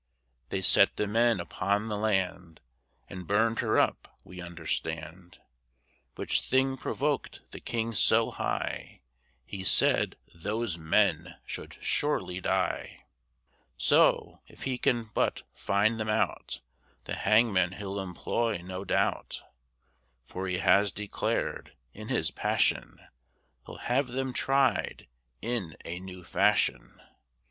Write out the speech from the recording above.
They set the men upon the land, And burn'd her up, we understand; Which thing provoked the king so high, He said, "those men should surely die." So, if he can but find them out, The hangman he'll employ, no doubt: For he has declared, in his passion, "He'll have them tried in a new fashion."